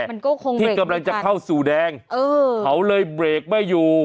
มันก็คงที่กำลังจะเข้าสู่แดงเออเขาเลยเบรกไม่อยู่